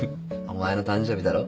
お前の誕生日だろ？